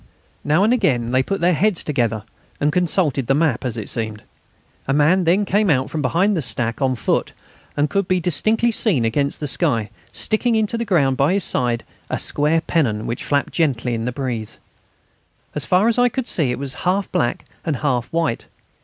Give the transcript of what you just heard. Now and again they put their heads together, and consulted the map, as it seemed. A man then came out from behind the stack on foot, and could be distinctly seen, against the sky, sticking into the ground by his side a square pennon which flapped gently in the breeze. As far as I could see it was half black and half white.